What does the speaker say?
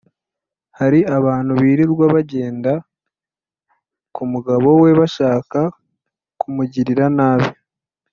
hari abantu birirwa bagenda ku mugabo we bashaka kumugirira nabi